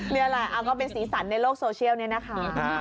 เนี่ยอะไรเอาก็เป็นสีสันในโลกโซเชียลเนี่ยนะคะ